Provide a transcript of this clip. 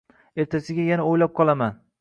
Ertasiga yana o`ylab qolaman